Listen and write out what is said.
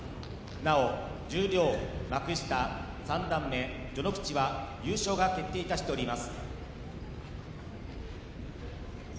なお十両幕下三段目序ノ口は優勝が決定いたしております。